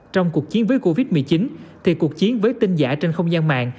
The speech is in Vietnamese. trong cuộc chiến với covid một mươi chín thì cuộc chiến với tin giả trên không gian mạng